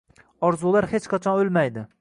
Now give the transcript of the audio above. Orzular hech qachon o'lmaydi!